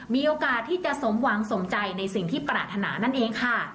มีโอกาสที่จะสมหวังสมใจในสิ่งที่ปรารถนานั่นเองค่ะ